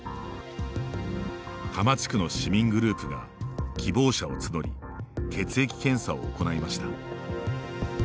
多摩地区の市民グループが希望者を募り血液検査を行いました。